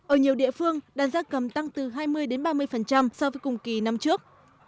ở nhiều địa phương đàn gia cầm tăng từ hai mươi ba mươi so với cùng kỳ năm trước